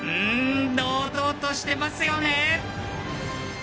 堂々としてますよね。